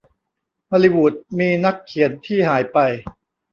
ฮอลลีวูดมีนักเขียนที่หายไป